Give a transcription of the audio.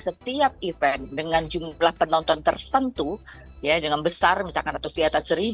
setiap event dengan jumlah penonton tertentu ya dengan besar misalkan atau di atas seribu